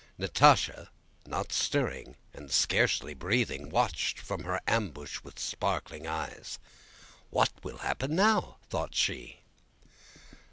Natásha, not stirring and scarcely breathing, watched from her ambush with sparkling eyes. "What will happen now?" thought she.